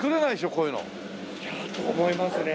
こういうの。と思いますね。